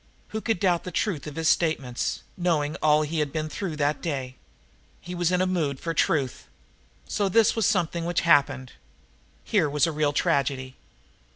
Who could doubt the truth of his statements, knowing all he had been through that day? He was in a mood for truth. So this was the something which happened! Here was real tragedy.